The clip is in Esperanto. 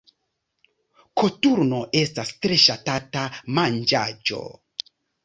Koturno estas tre ŝatata manĝaĵo.